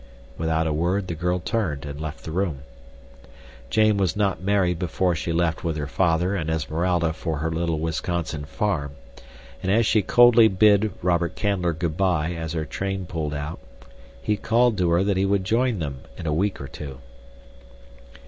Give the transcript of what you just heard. Without a word the girl turned and left the room. Jane was not married before she left with her father and Esmeralda for her little Wisconsin farm, and as she coldly bid Robert Canler goodby as her train pulled out, he called to her that he would join them in a week or two.